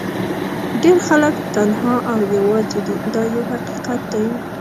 ډېر خلک تنها او یوازې دي دا یو حقیقت دی.